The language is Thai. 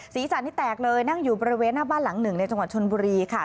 ศีรษะนี่แตกเลยนั่งอยู่บริเวณหน้าบ้านหลังหนึ่งในจังหวัดชนบุรีค่ะ